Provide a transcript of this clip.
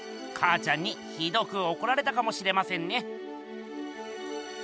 かあちゃんにひどくおこられたかもしれませんね。